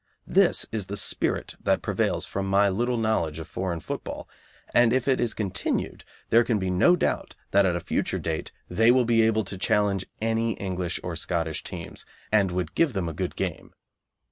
This is the spirit that prevails from my little knowledge of foreign football, and if it is continued there can be no doubt that at a future date they will be able to challenge any English or Scottish teams, and would give them a good game.